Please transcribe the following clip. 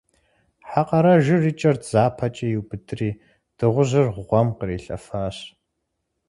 Хьэ къэрэжыр и кӏэр дзапэкӏэ иубыдри, дыгъужьыр гъуэм кърилъэфащ.